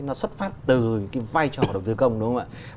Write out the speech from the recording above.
nó xuất phát từ cái vai trò đầu tư công đúng không ạ